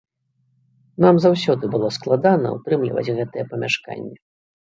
Нам заўсёды было складана ўтрымліваць гэтае памяшканне.